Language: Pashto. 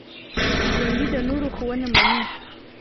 ژوندي د نورو ښوونه مني